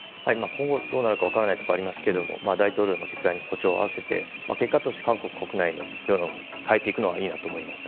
今後、どうなるか分からないところはありますが大統領の決断に歩調を合わせて結果として韓国国内の世論を変えていくのがいいと思います。